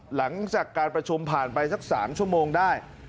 หลังจากการประชุมผ่านไปสัก๓ชั่วโมงได้